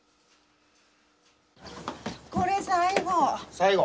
これ最後。